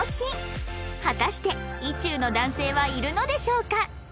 果たして意中の男性はいるのでしょうか？